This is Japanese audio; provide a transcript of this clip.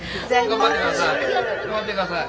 頑張ってください。